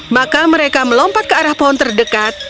maka mereka melompat ke arah pohon terdekat